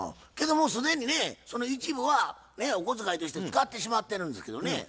けどもう既にねその一部はお小遣いとして使ってしまってるんですけどね。